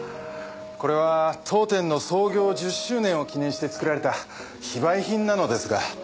これは当店の創業１０周年を記念して作られた非売品なのですが。